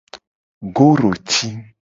Goroti.